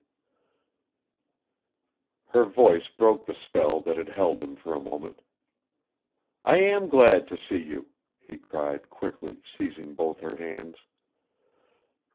IX Her voice broke the spell that had held him for a moment. "I am glad to see you," he cried, quickly, seizing both her hands.